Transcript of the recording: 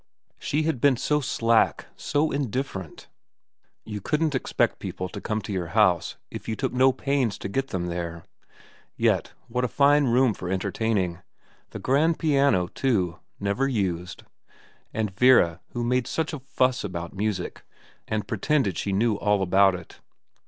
She had been so slack, so indifferent. You couldn't expect people to come to your house if you took no pains to get them there. Yet what a fine room for 229 230 VERA jua entertaining. The grand piano, too. Never used. And Vera who made such a fuss about music, and pretended she knew all about it.